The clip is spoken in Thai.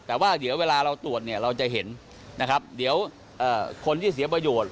แต่ว่าเดี๋ยวเวลาเราตรวจเนี่ยเราจะเห็นนะครับเดี๋ยวคนที่เสียประโยชน์